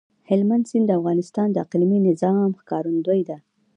هلمند سیند د افغانستان د اقلیمي نظام ښکارندوی ده.